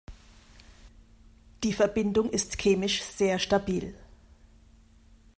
Die Verbindung ist chemisch sehr stabil.